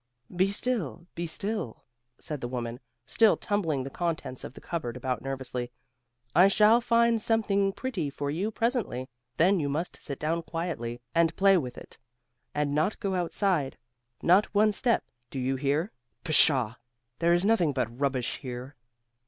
"Be still, be still," said the woman, still tumbling the contents of the cup board about nervously. "I shall find something pretty for you presently; then you must sit down quietly and play with it, and not go outside, not one step, do you hear? Pshaw! there is nothing but rubbish here!"